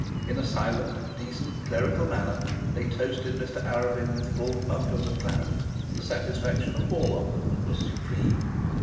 In a silent manner, they toasted Mr Arabin with full bumpers of claret. The satisfaction of all of them was supreme.